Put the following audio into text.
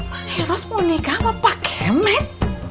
pak heros mau nikah sama pak kemet